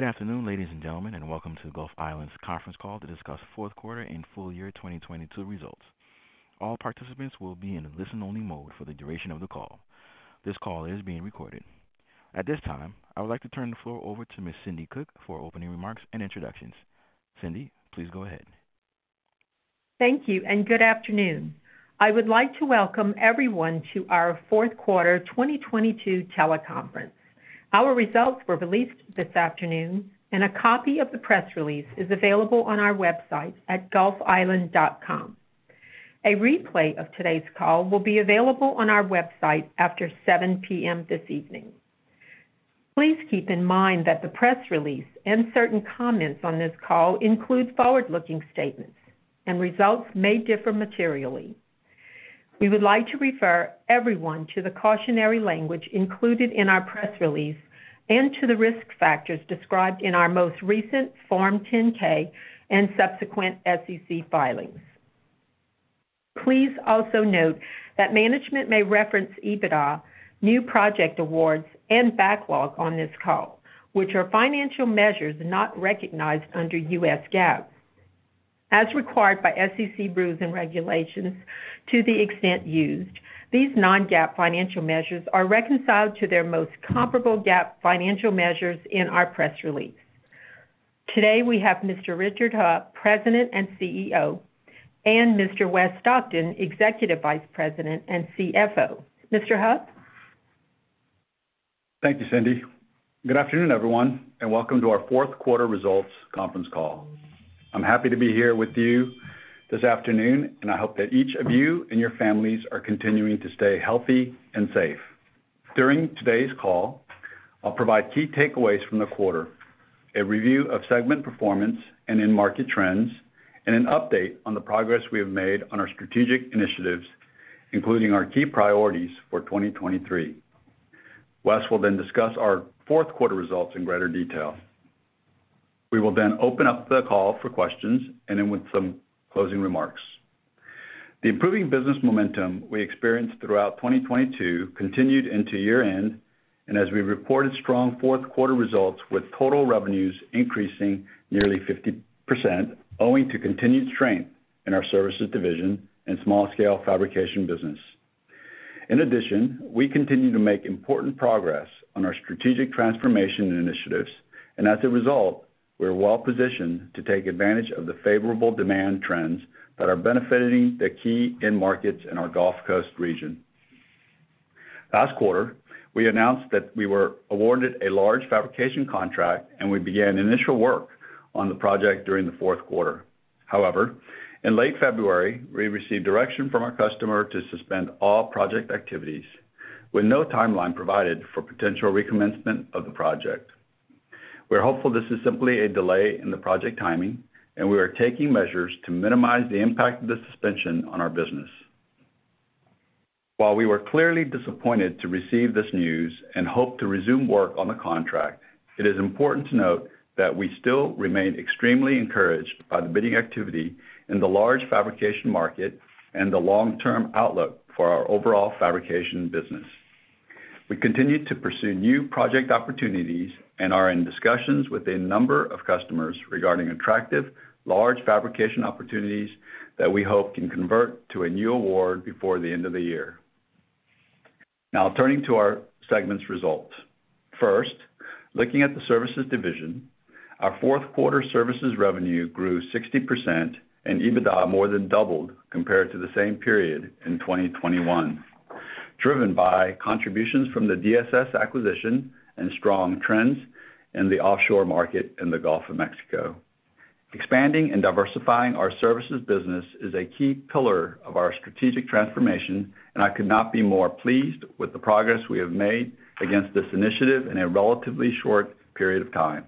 Good afternoon, ladies and gentlemen, welcome to Gulf Island's conference call to discuss fourth quarter and full year 2022 results. All participants will be in a listen-only mode for the duration of the call. This call is being recorded. At this time, I would like to turn the floor over to Ms. Cammie Cook for opening remarks and introductions. Cindi, please go ahead. Thank you, and good afternoon. I would like to welcome everyone to our fourth quarter 2022 teleconference. Our results were released this afternoon and a copy of the press release is available on our website at gulfisland.com. A replay of today's call will be available on our website after 7:00 P.M. this evening. Please keep in mind that the press release and certain comments on this call include forward-looking statements and results may differ materially. We would like to refer everyone to the cautionary language included in our press release and to the risk factors described in our most recent Form 10-K and subsequent SEC filings. Please also note that management may reference EBITDA, new project awards, and backlog on this call, which are financial measures not recognized under US GAAP. As required by SEC rules and regulations to the extent used, these non-GAAP financial measures are reconciled to their most comparable GAAP financial measures in our press release. Today, we have Mr. Richard Heo, President and CEO, and Mr. Wes Stockton, Executive Vice President and CFO. Mr. Heo? Thank you, Cindi. Good afternoon, everyone, and welcome to our fourth quarter results conference call. I'm happy to be here with you this afternoon. I hope that each of you and your families are continuing to stay healthy and safe. During today's call, I'll provide key takeaways from the quarter, a review of segment performance and end market trends, and an update on the progress we have made on our strategic initiatives, including our key priorities for 2023. Wes will then discuss our fourth quarter results in greater detail. We will then open up the call for questions and end with some closing remarks. The improving business momentum we experienced throughout 2022 continued into year-end, and as we reported strong fourth quarter results with total revenues increasing nearly 50% owing to continued strength in our services division and small-scale fabrication business. In addition, we continue to make important progress on our strategic transformation initiatives, and as a result, we're well-positioned to take advantage of the favorable demand trends that are benefiting the key end markets in our Gulf Coast region. Last quarter, we announced that we were awarded a large fabrication contract, and we began initial work on the project during the fourth quarter. However, in late February, we received direction from our customer to suspend all project activities with no timeline provided for potential recommencement of the project. We're hopeful this is simply a delay in the project timing, and we are taking measures to minimize the impact of the suspension on our business. While we were clearly disappointed to receive this news and hope to resume work on the contract, it is important to note that we still remain extremely encouraged by the bidding activity in the large fabrication market and the long-term outlook for our overall fabrication business. We continue to pursue new project opportunities and are in discussions with a number of customers regarding attractive large fabrication opportunities that we hope can convert to a new award before the end of the year. Turning to our segments results. First, looking at the services division, our fourth quarter services revenue grew 60% and EBITDA more than doubled compared to the same period in 2021, driven by contributions from the DSS acquisition and strong trends in the offshore market in the Gulf of Mexico. Expanding and diversifying our services business is a key pillar of our strategic transformation, and I could not be more pleased with the progress we have made against this initiative in a relatively short period of time.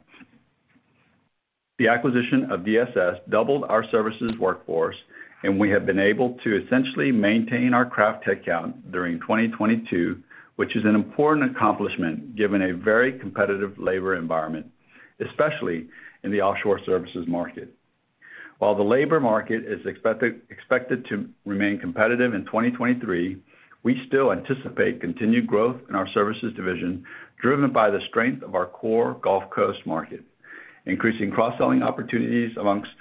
The acquisition of DSS doubled our services workforce, and we have been able to essentially maintain our craft tech count during 2022, which is an important accomplishment given a very competitive labor environment, especially in the offshore services market. While the labor market is expected to remain competitive in 2023, we still anticipate continued growth in our services division, driven by the strength of our core Gulf Coast market, increasing cross-selling opportunities amongst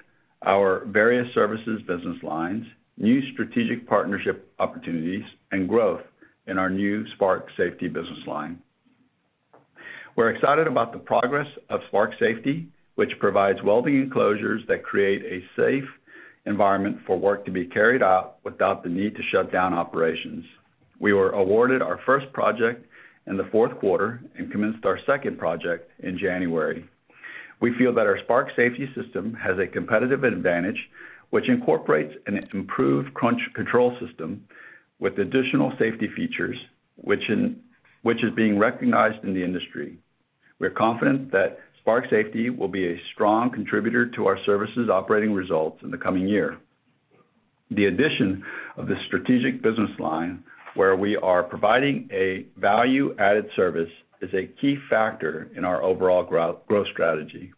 our various services business lines, new strategic partnership opportunities, and growth in our new Spark Safety business line. We're excited about the progress of Spark Safety, which provides welding enclosures that create a safe environment for work to be carried out without the need to shut down operations. We were awarded our first project in the fourth quarter and commenced our second project in January. We feel that our Spark Safety system has a competitive advantage which incorporates an improved crane control system with additional safety features which is being recognized in the industry. We're confident that Spark Safety will be a strong contributor to our services operating results in the coming year. The addition of the strategic business line where we are providing a value-added service is a key factor in our overall growth strategy.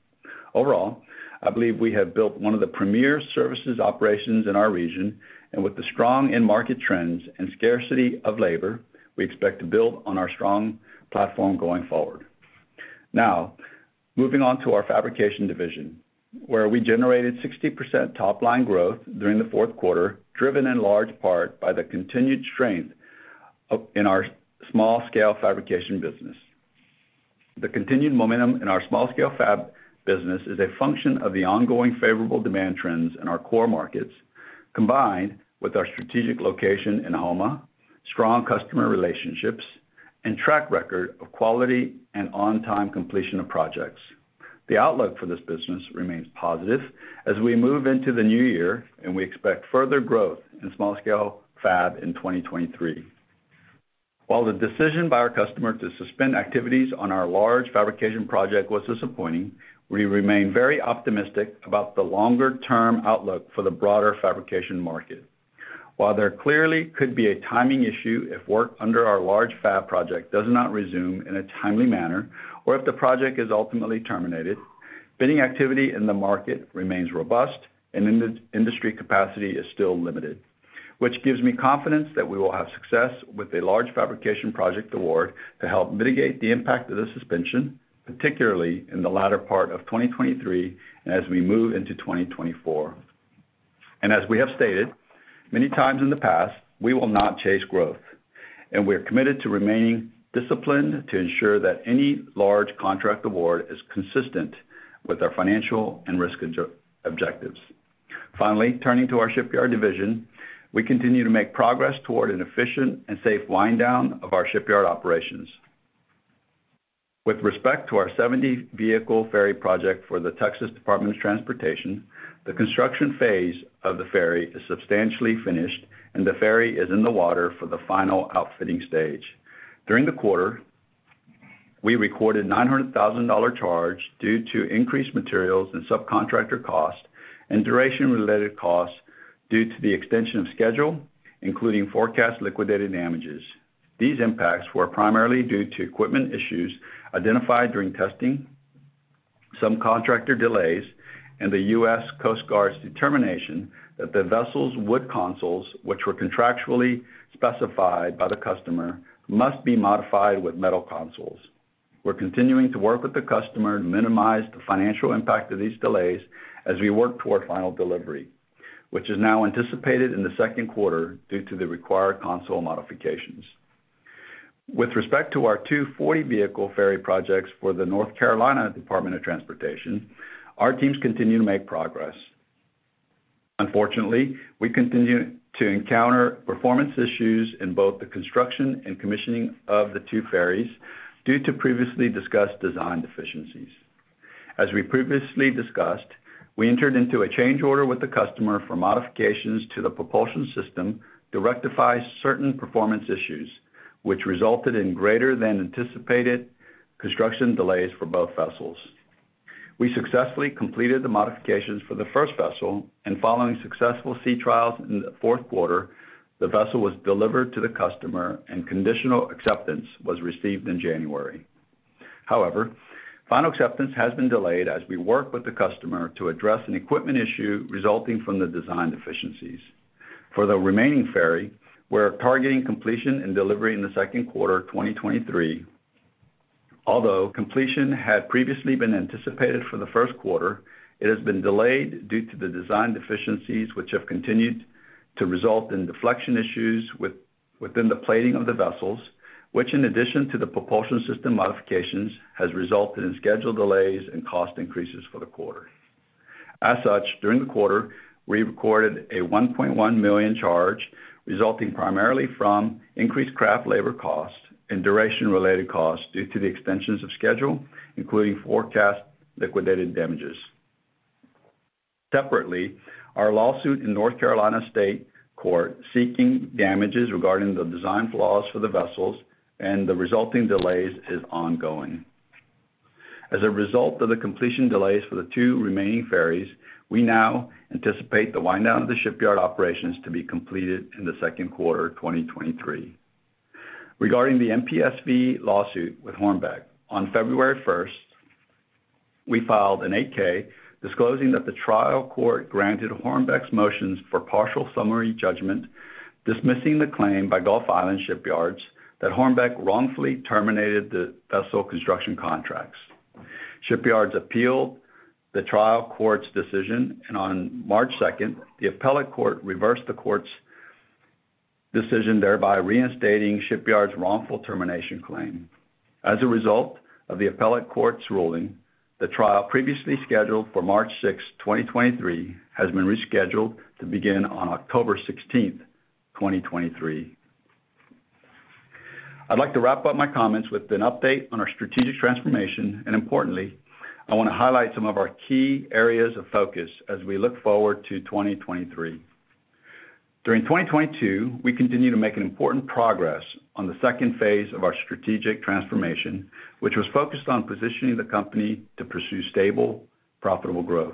Overall, I believe we have built one of the premier services operations in our region, and with the strong end market trends and scarcity of labor, we expect to build on our strong platform going forward. Now, moving on to our fabrication division, where we generated 60% top-line growth during the fourth quarter, driven in large part by the continued strength in our small-scale fabrication business. The continued momentum in our small-scale fab business is a function of the ongoing favorable demand trends in our core markets, combined with our strategic location in Houma, strong customer relationships, and track record of quality and on-time completion of projects. The outlook for this business remains positive as we move into the new year, and we expect further growth in small-scale fab in 2023. While the decision by our customer to suspend activities on our large fabrication project was disappointing, we remain very optimistic about the longer term outlook for the broader fabrication market. While there clearly could be a timing issue if work under our large FAB project does not resume in a timely manner, or if the project is ultimately terminated, bidding activity in the market remains robust, and industry capacity is still limited, which gives me confidence that we will have success with a large fabrication project award to help mitigate the impact of the suspension, particularly in the latter part of 2023 and as we move into 2024. As we have stated many times in the past, we will not chase growth, and we are committed to remaining disciplined to ensure that any large contract award is consistent with our financial and risk objectives. Finally, turning to our shipyard division, we continue to make progress toward an efficient and safe wind down of our shipyard operations. With respect to our 70-vehicle ferry project for the Texas Department of Transportation, the construction phase of the ferry is substantially finished, and the ferry is in the water for the final outfitting stage. During the quarter, we recorded $900,000 charge due to increased materials and subcontractor costs and duration-related costs due to the extension of schedule, including forecast liquidated damages. These impacts were primarily due to equipment issues identified during testing, some contractor delays, and the United States Coast Guard's determination that the vessel's wood consoles, which were contractually specified by the customer, must be modified with metal consoles. We're continuing to work with the customer to minimize the financial impact of these delays as we work toward final delivery, which is now anticipated in the second quarter due to the required console modifications. With respect to our two 40-vehicle ferry projects for the North Carolina Department of Transportation, our teams continue to make progress. Unfortunately, we continue to encounter performance issues in both the construction and commissioning of the 2 ferries due to previously discussed design deficiencies. As we previously discussed, we entered into a change order with the customer for modifications to the propulsion system to rectify certain performance issues, which resulted in greater than anticipated construction delays for both vessels. We successfully completed the modifications for the first vessel, and following successful sea trials in the fourth quarter, the vessel was delivered to the customer, and conditional acceptance was received in January. However, final acceptance has been delayed as we work with the customer to address an equipment issue resulting from the design deficiencies. For the remaining ferry, we're targeting completion and delivery in the second quarter of 2023. Although completion had previously been anticipated for the first quarter, it has been delayed due to the design deficiencies, which have continued to result in deflection issues within the plating of the vessels, which, in addition to the propulsion system modifications, has resulted in schedule delays and cost increases for the quarter. During the quarter, we recorded a $1.1 million charge resulting primarily from increased craft labor costs and duration-related costs due to the extensions of schedule, including forecast liquidated damages. Separately, our lawsuit in North Carolina State Court seeking damages regarding the design flaws for the vessels and the resulting delays is ongoing. As a result of the completion delays for the 2 remaining ferries, we now anticipate the wind down of the shipyard operations to be completed in the second quarter of 2023. Regarding the MPSV lawsuit with Hornbeck, on February first, we filed an 8-K disclosing that the trial court granted Hornbeck's motions for partial summary judgment, dismissing the claim by Gulf Island Shipyards that Hornbeck wrongfully terminated the vessel construction contracts. On March second, the appellate court reversed the court's decision, thereby reinstating Shipyard's wrongful termination claim. As a result of the appellate court's ruling, the trial previously scheduled for March sixth, 2023, has been rescheduled to begin on October sixteenth, 2023. I'd like to wrap up my comments with an update on our strategic transformation. Importantly, I wanna highlight some of our key areas of focus as we look forward to 2023. During 2022, we continued to make an important progress on the second phase of our strategic transformation, which was focused on positioning the company to pursue stable, profitable growth.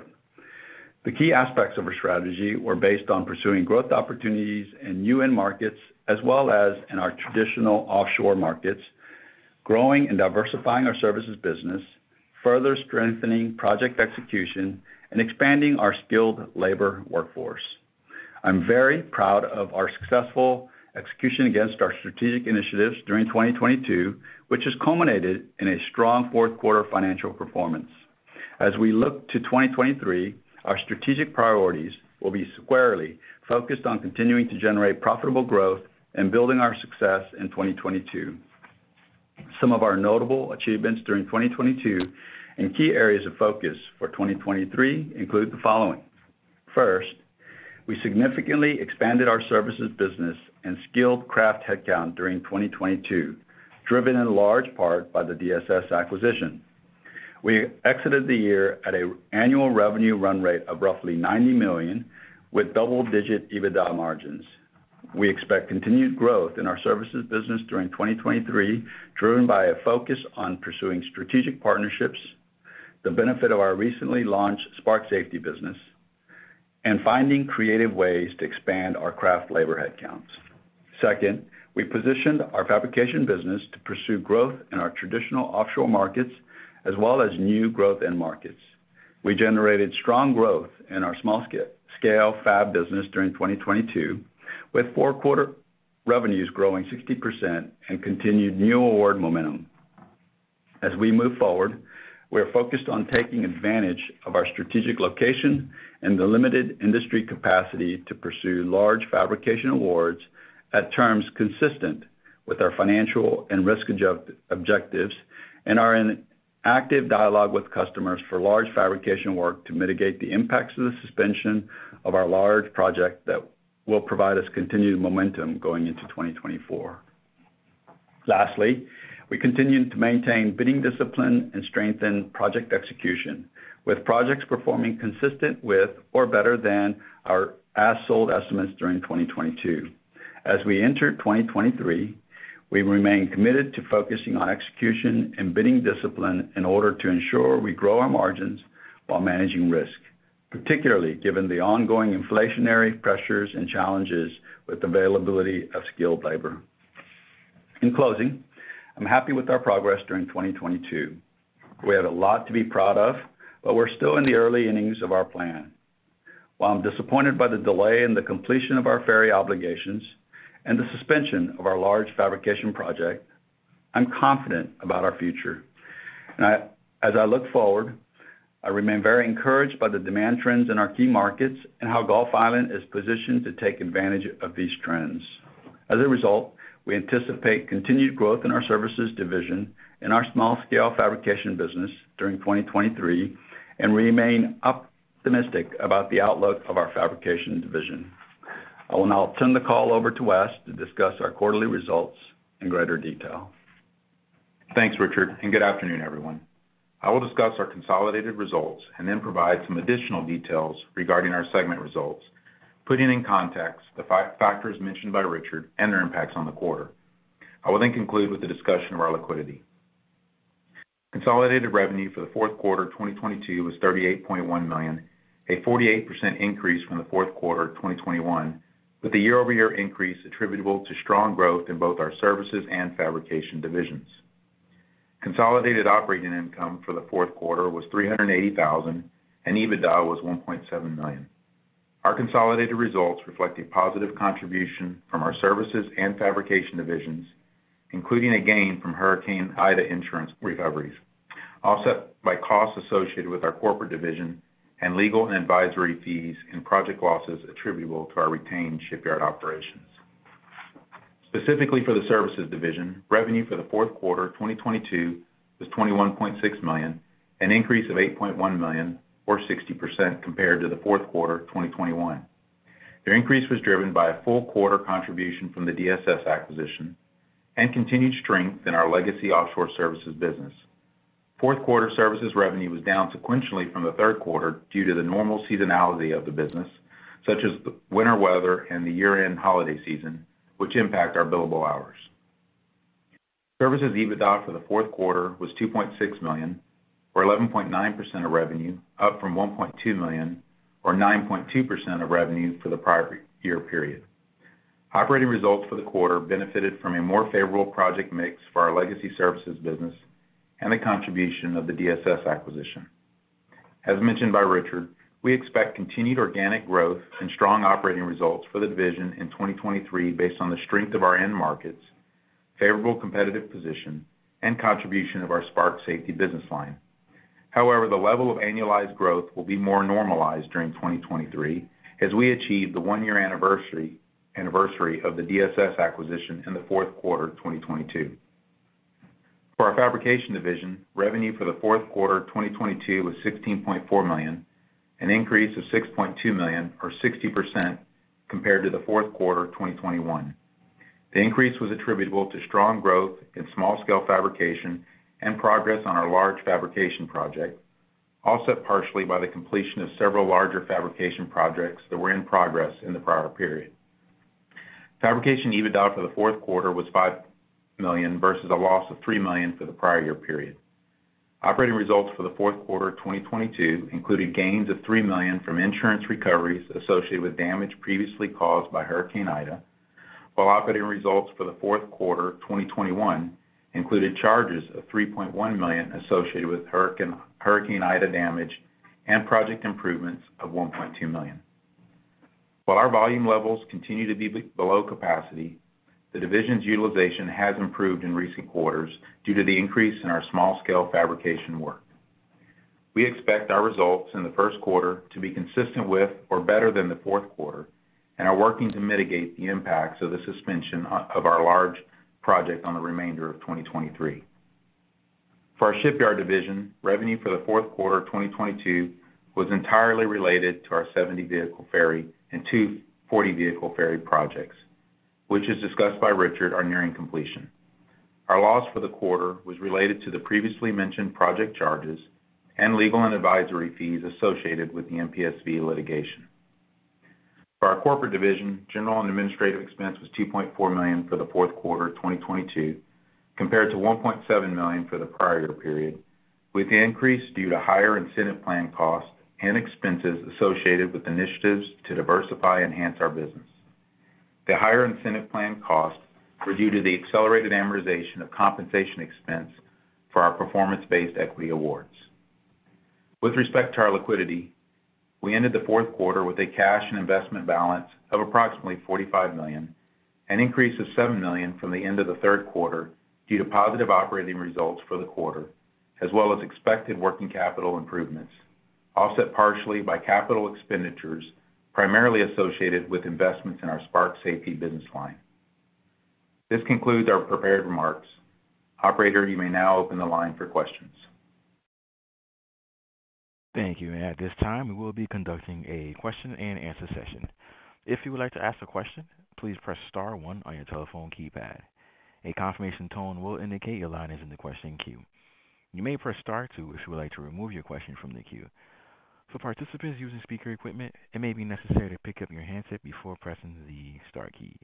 The key aspects of our strategy were based on pursuing growth opportunities in LNG markets as well as in our traditional offshore markets, growing and diversifying our services business, further strengthening project execution, and expanding our skilled labor workforce. I'm very proud of our successful execution against our strategic initiatives during 2022, which has culminated in a strong fourth quarter financial performance. As we look to 2023, our strategic priorities will be squarely focused on continuing to generate profitable growth and building our success in 2022. Some of our notable achievements during 2022 and key areas of focus for 2023 include the following. First, we significantly expanded our services business and skilled craft headcount during 2022, driven in large part by the DSS acquisition. We exited the year at a annual revenue run rate of roughly $90 million, with double-digit EBITDA margins. We expect continued growth in our services business during 2023, driven by a focus on pursuing strategic partnerships, the benefit of our recently launched Spark Safety business, and finding creative ways to expand our craft labor headcounts. Second, we positioned our fabrication business to pursue growth in our traditional offshore markets as well as new growth end markets. We generated strong growth in our small-scale fab business during 2022, with four quarter revenues growing 60% and continued new award momentum. As we move forward, we are focused on taking advantage of our strategic location and the limited industry capacity to pursue large fabrication awards at terms consistent with our financial and risk objectives and are in active dialogue with customers for large fabrication work to mitigate the impacts of the suspension of our large project that will provide us continued momentum going into 2024. Lastly, we continue to maintain bidding discipline and strengthen project execution, with projects performing consistent with or better than our as sold estimates during 2022. As we enter 2023, we remain committed to focusing on execution and bidding discipline in order to ensure we grow our margins while managing risk, particularly given the ongoing inflationary pressures and challenges with availability of skilled labor. In closing, I'm happy with our progress during 2022. We have a lot to be proud of, we're still in the early innings of our plan. While I'm disappointed by the delay in the completion of our ferry obligations and the suspension of our large fabrication project, I'm confident about our future. As I look forward, I remain very encouraged by the demand trends in our key markets and how Gulf Island is positioned to take advantage of these trends. As a result, we anticipate continued growth in our services division and our small-scale fabrication business during 2023 and remain optimistic about the outlook of our fabrication division. I will now turn the call over to Wes to discuss our quarterly results in greater detail. Thanks, Richard, good afternoon, everyone. I will discuss our consolidated results and then provide some additional details regarding our segment results, putting in context the factors mentioned by Richard and their impacts on the quarter. I will conclude with a discussion of our liquidity. Consolidated revenue for the fourth quarter of 2022 was $38.1 million, a 48% increase from the fourth quarter of 2021, with the year-over-year increase attributable to strong growth in both our services and fabrication divisions. Consolidated operating income for the fourth quarter was $380,000, and EBITDA was $1.7 million. Our consolidated results reflect a positive contribution from our services and fabrication divisions, including a gain from Hurricane Ida insurance recoveries, offset by costs associated with our corporate division and legal and advisory fees and project losses attributable to our retained shipyard operations. Specifically for the services division, revenue for the fourth quarter of 2022 was $21.6 million, an increase of $8.1 million or 60% compared to the fourth quarter of 2021. The increase was driven by a full quarter contribution from the DSS acquisition and continued strength in our legacy offshore services business. Fourth quarter services revenue was down sequentially from the third quarter due to the normal seasonality of the business, such as winter weather and the year-end holiday season, which impact our billable hours. Services EBITDA for the fourth quarter was $2.6 million or 11.9% of revenue, up from $1.2 million or 9.2% of revenue for the prior year period. Operating results for the quarter benefited from a more favorable project mix for our legacy services business and the contribution of the DSS acquisition. As mentioned by Richard, we expect continued organic growth and strong operating results for the division in 2023 based on the strength of our end markets, favorable competitive position, and contribution of our Spark Safety business line. The level of annualized growth will be more normalized during 2023 as we achieve the one-year anniversary of the DSS acquisition in the fourth quarter of 2022. For our fabrication division, revenue for the fourth quarter of 2022 was $16.4 million, an increase of $6.2 million or 60% compared to the fourth quarter of 2021. The increase was attributable to strong growth in small-scale fabrication and progress on our large fabrication project, offset partially by the completion of several larger fabrication projects that were in progress in the prior period. Fabrication EBITDA for the fourth quarter was $5 million versus a loss of $3 million for the prior year period. Operating results for the fourth quarter of 2022 included gains of $3 million from insurance recoveries associated with damage previously caused by Hurricane Ida. While operating results for the fourth quarter of 2021 included charges of $3.1 million associated with Hurricane Ida damage and project improvements of $1.2 million. While our volume levels continue to be below capacity, the division's utilization has improved in recent quarters due to the increase in our small-scale fabrication work. We expect our results in the first quarter to be consistent with or better than the fourth quarter and are working to mitigate the impacts of the suspension of our large project on the remainder of 2023. For our shipyard division, revenue for the fourth quarter of 2022 was entirely related to our 70-vehicle ferry and two 40-vehicle ferry projects, which as discussed by Richard, are nearing completion. Our loss for the quarter was related to the previously mentioned project charges and legal and advisory fees associated with the MPSV litigation. For our corporate division, general and administrative expense was $2.4 million for the fourth quarter of 2022, compared to $1.7 million for the prior year period, with the increase due to higher incentive plan costs and expenses associated with initiatives to diversify and enhance our business. The higher incentive plan costs were due to the accelerated amortization of compensation expense for our performance-based equity awards. With respect to our liquidity, we ended the fourth quarter with a cash and investment balance of approximately $45 million, an increase of $7 million from the end of the third quarter due to positive operating results for the quarter, as well as expected working capital improvements, offset partially by capital expenditures, primarily associated with investments in our Spark Safety business line. This concludes our prepared remarks. Operator, you may now open the line for questions. Thank you. At this time, we will be conducting a question and answer session. If you would like to ask a question, please press star one on your telephone keypad. A confirmation tone will indicate your line is in the question queue. You may press star two if you would like to remove your question from the queue. For participants using speaker equipment, it may be necessary to pick up your handset before pressing the star keys.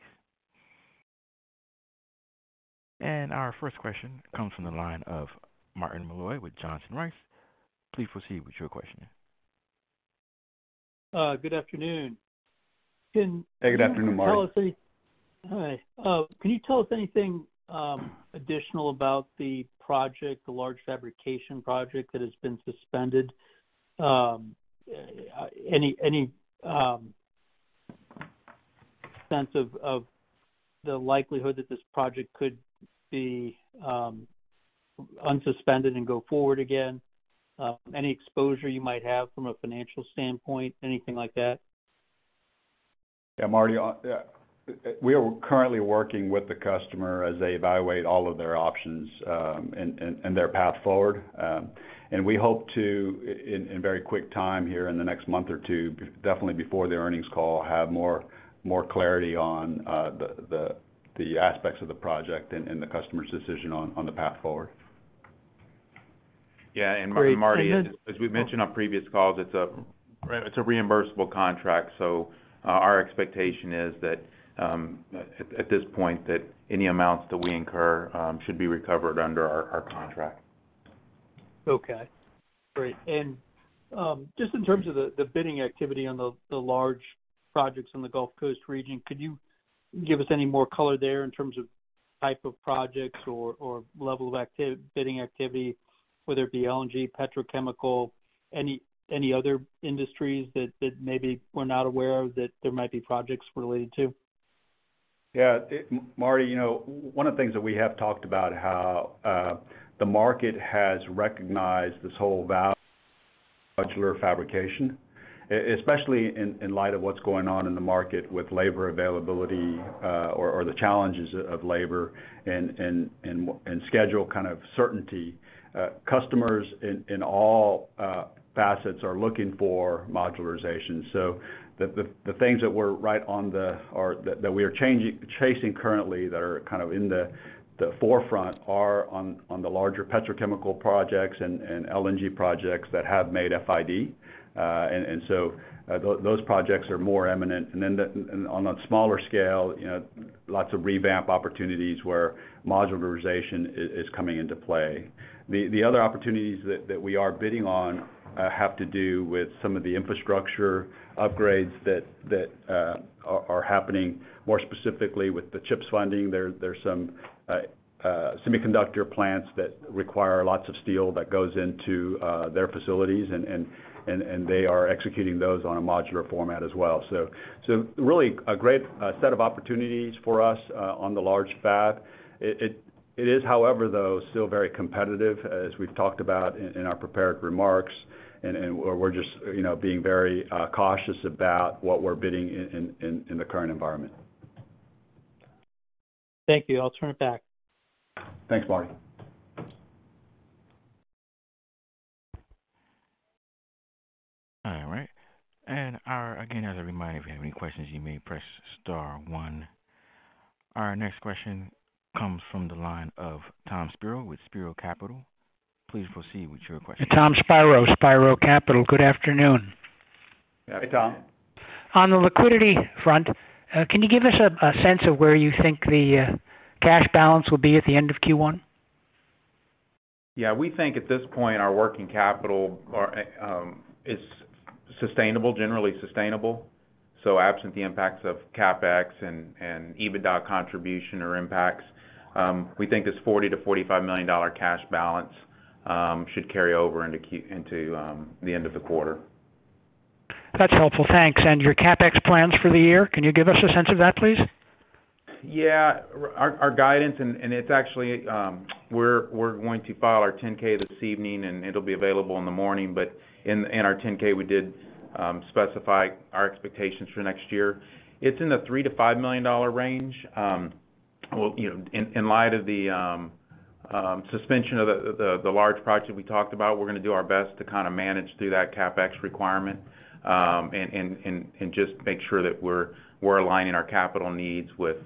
Our first question comes from the line of Martin Malloy with Johnson Rice. Please proceed with your questioning. Good afternoon. Hey, good afternoon, Martin. Hi. Can you tell us anything additional about the project, the large fabrication project that has been suspended? Any sense of the likelihood that this project could be unsuspended and go forward again? Any exposure you might have from a financial standpoint, anything like that? Yeah, Marty, we are currently working with the customer as they evaluate all of their options and their path forward. We hope in very quick time here in the next month or two, definitely before the earnings call, have more clarity on the aspects of the project and the customer's decision on the path forward. Yeah. Great. Marty, as we mentioned on previous calls, it's a reimbursable contract, so our expectation is that, at this point, that any amounts that we incur, should be recovered under our contract. Just in terms of the bidding activity on the large projects in the Gulf Coast region, could you give us any more color there in terms of type of projects or level of bidding activity, whether it be LNG, petrochemical, any other industries that maybe we're not aware of that there might be projects related to? Yeah, Marty, you know, one of the things that we have talked about how the market has recognized this whole modular fabrication, especially in light of what's going on in the market with labor availability, or the challenges of labor and schedule kind of certainty. Customers in all facets are looking for modularization. The things that we're right on or that we are chasing currently that are kind of in the forefront are on the larger petrochemical projects and LNG projects that have made FID. Those projects are more eminent. Then on a smaller scale, you know, lots of revamp opportunities where modularization is coming into play. The other opportunities that we are bidding on, have to do with some of the infrastructure upgrades that are happening more specifically with the CHIPS funding. There are some semiconductor plants that require lots of steel that goes into their facilities and they are executing those on a modular format as well. So really a great set of opportunities for us on the large FAB. It is, however, though, still very competitive as we've talked about in our prepared remarks, and we're just, you know, being very cautious about what we're bidding in the current environment. Thank you. I'll turn it back. Thanks, Marty. All right. Again, as a reminder, if you have any questions, you may press star one. Our next question comes from the line of Tom Spiro with Spiro Capital. Please proceed with your question. Tom Spiro Capital. Good afternoon. Hey, Tom. On the liquidity front, can you give us a sense of where you think the cash balance will be at the end of Q1? Yeah. We think at this point, our working capital or, is sustainable, generally sustainable. Absent the impacts of CapEx and EBITDA contribution or impacts, we think this $40 million-$45 million cash balance should carry over into the end of the quarter. That's helpful. Thanks. Your CapEx plans for the year, can you give us a sense of that, please? Yeah. Our guidance and it's actually, we're going to file our 10-K this evening, and it'll be available in the morning. In our 10-K, we did specify our expectations for next year. It's in the $3 million-$5 million range. Well, you know, in light of the suspension of the large project we talked about, we're gonna do our best to kinda manage through that CapEx requirement, and just make sure that we're aligning our capital needs with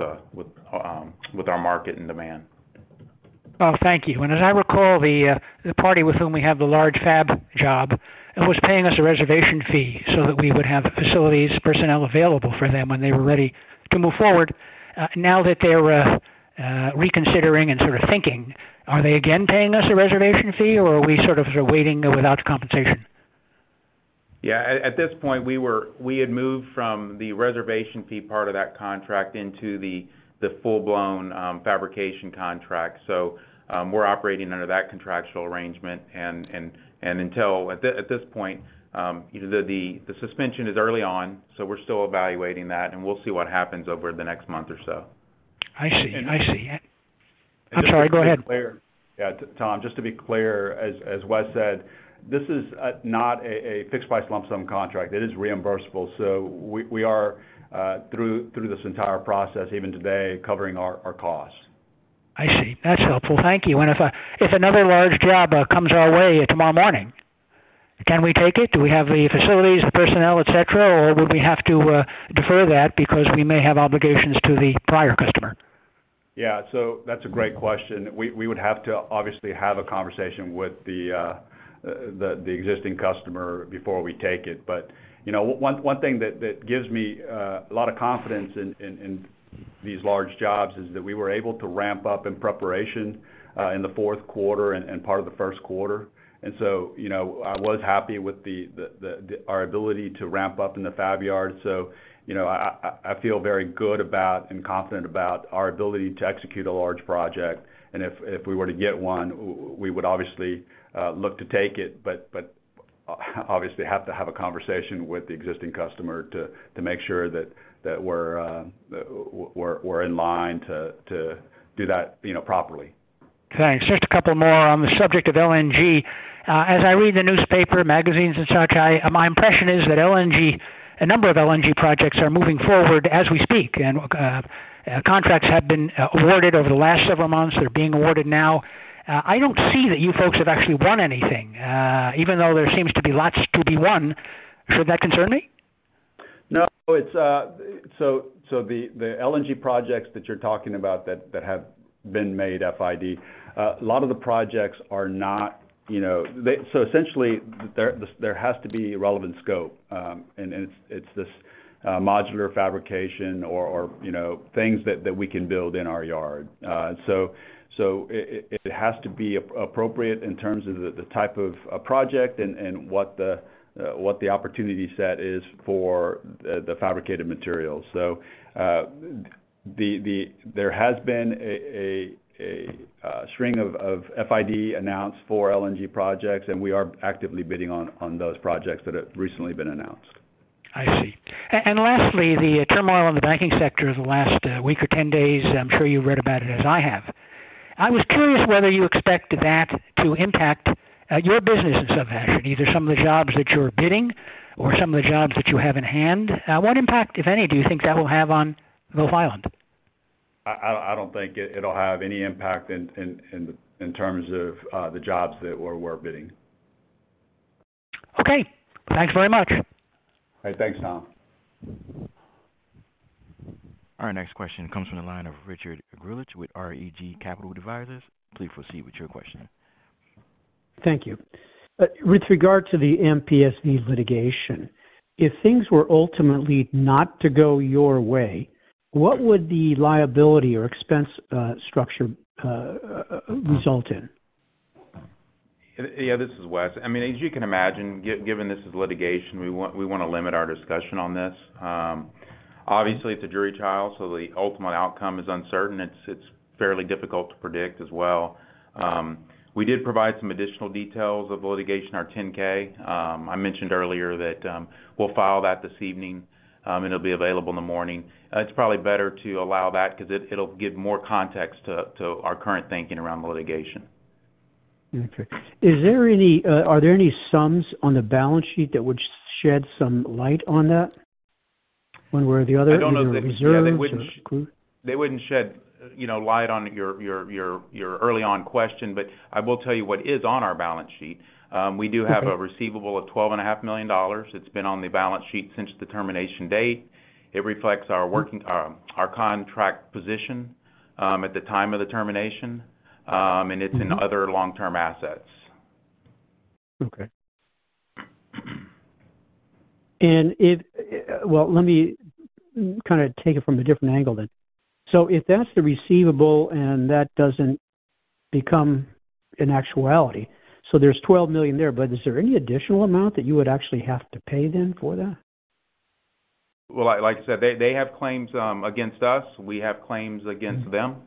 our market and demand. Well, thank you. As I recall, the party with whom we have the large FAB job was paying us a reservation fee so that we would have the facilities, personnel available for them when they were ready to move forward. Now that they're reconsidering and sort of thinking, are they again paying us a reservation fee, or are we sort of waiting without compensation? Yeah. At this point, we had moved from the reservation fee part of that contract into the full-blown fabrication contract. We're operating under that contractual arrangement. Until at this point, you know, the suspension is early on, we're still evaluating that, we'll see what happens over the next month or so. I see. I see. And just- I'm sorry. Go ahead. Yeah, Tom, just to be clear, as Wes said, this is not a fixed price lump sum contract. It is reimbursable. We are through this entire process even today covering our costs. I see. That's helpful. Thank you. If another large job comes our way tomorrow morning, can we take it? Do we have the facilities, the personnel, et cetera, or would we have to defer that because we may have obligations to the prior customer? Yeah. That's a great question. We would have to obviously have a conversation with the existing customer before we take it. You know, one thing that gives me a lot of confidence in these large jobs is that we were able to ramp up in preparation in the fourth quarter and part of the first quarter. You know, I was happy with our ability to ramp up in the fab yard. You know, I feel very good about and confident about our ability to execute a large project. If we were to get one, we would obviously look to take it, but obviously have to have a conversation with the existing customer to make sure that we're in line to do that, you know, properly. Thanks. Just a couple more. On the subject of LNG, as I read the newspaper, magazines and such, my impression is that LNG, a number of LNG projects are moving forward as we speak, and contracts have been awarded over the last several months. They're being awarded now. I don't see that you folks have actually won anything, even though there seems to be lots to be won. Should that concern me? No. It's. The LNG projects that you're talking about that have been made FID, a lot of the projects are not, you know. Essentially there has to be relevant scope, and it's this modular fabrication or, you know, things that we can build in our yard. It has to be appropriate in terms of the type of project and what the opportunity set is for the fabricated materials. There has been a string of FID announced for LNG projects, and we are actively bidding on those projects that have recently been announced. I see. Lastly, the turmoil in the banking sector the last week or 10 days, I'm sure you've read about it as I have. I was curious whether you expect that to impact your business in some fashion, either some of the jobs that you're bidding or some of the jobs that you have in hand. What impact, if any, do you think that will have on Gulf Island? I don't think it'll have any impact in terms of the jobs that we're bidding. Okay. Thanks very much. All right. Thanks, Tom. Our next question comes from the line of Richard Grodzicki with Roth Capital Partners. Please proceed with your question. Thank you. With regard to the MPSV litigation, if things were ultimately not to go your way, what would the liability or expense structure result in? Yeah, this is Wes. I mean, as you can imagine, given this is litigation, we wanna limit our discussion on this. Obviously, it's a jury trial, the ultimate outcome is uncertain. It's fairly difficult to predict as well. We did provide some additional details of litigation, our 10-K. I mentioned earlier that we'll file that this evening, it'll be available in the morning. It's probably better to allow that because it'll give more context to our current thinking around the litigation. Okay. Are there any sums on the balance sheet that would shed some light on that one way or the other? I don't know. Is there reserves or? They wouldn't shed, you know, light on your early on question. I will tell you what is on our balance sheet. Okay. We do have a receivable of twelve and a half million dollars. It's been on the balance sheet since the termination date. It reflects our working our contract position at the time of the termination. It's in other long-term assets. Okay. Well, let me kind of take it from a different angle then. If that's the receivable and that doesn't become an actuality, so there's $12 million there, but is there any additional amount that you would actually have to pay then for that? Well, like I said, they have claims against us, we have claims against them.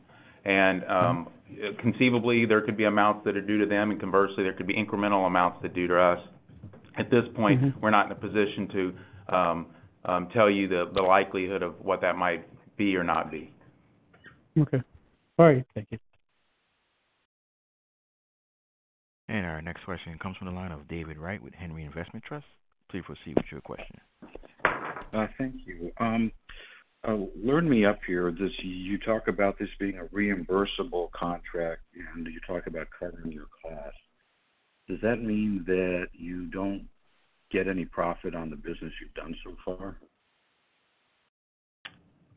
Conceivably, there could be amounts that are due to them, and conversely, there could be incremental amounts that are due to us. At this point. Mm-hmm. We're not in a position to tell you the likelihood of what that might be or not be. Okay. All right. Thank you. Our next question comes from the line of David Wright with Henry Investment Trust. Please proceed with your question. Thank you. learn me up here. you talk about this being a reimbursable contract, and you talk about covering your cost. Does that mean that you don't get any profit on the business you've done so far?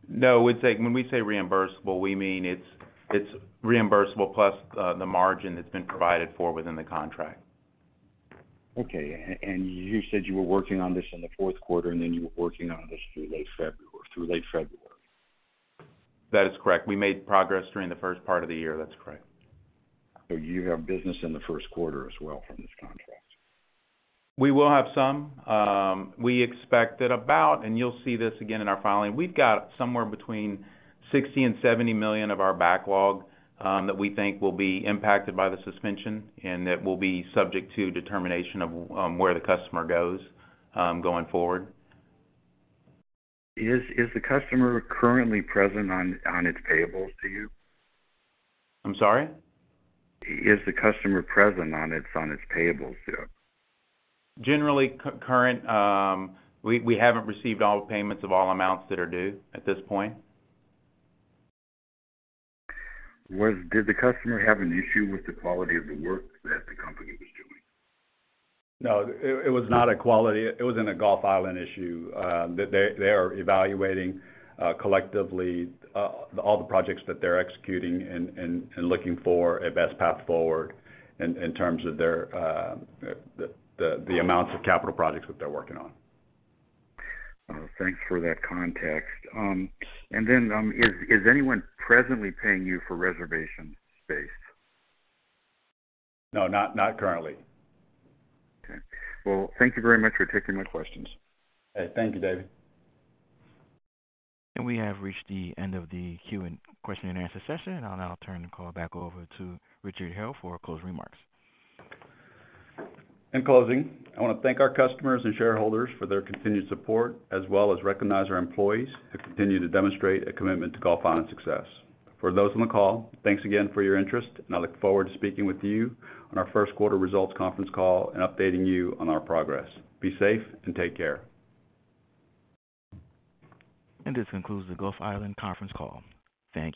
No. When we say reimbursable, we mean it's reimbursable plus the margin that's been provided for within the contract. Okay. You said you were working on this in the fourth quarter, and then you were working on this through late February. That is correct. We made progress during the first part of the year. That's correct. You have business in the first quarter as well from this contract? We will have some. We expect that about, and you'll see this again in our filing, we've got somewhere between $60 million and $70 million of our backlog, that we think will be impacted by the suspension and that will be subject to determination of, where the customer goes, going forward. Is the customer currently present on its payables to you? I'm sorry? Is the customer present on its, on its payables, yeah? Generally current, we haven't received all the payments of all amounts that are due at this point. Did the customer have an issue with the quality of the work that the company was doing? No. It was not a quality. It was in a Gulf Island issue that they are evaluating, collectively, all the projects that they're executing and looking for a best path forward in terms of their the amounts of capital projects that they're working on. Well, thanks for that context. Is anyone presently paying you for reservation space? No. Not currently. Okay. Well, thank you very much for taking my questions. Thank you, David. We have reached the end of the question and answer session. I'll now turn the call back over to Richard Heo for closing remarks. In closing, I wanna thank our customers and shareholders for their continued support, as well as recognize our employees who continue to demonstrate a commitment to Gulf Island's success. For those on the call, thanks again for your interest, and I look forward to speaking with you on our first quarter results conference call and updating you on our progress. Be safe and take care. This concludes the Gulf Island conference call. Thank you.